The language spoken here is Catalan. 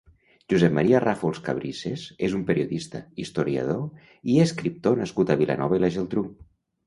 Josep Maria Ràfols Cabrisses és un periodista, historiador i escriptor nascut a Vilanova i la Geltrú.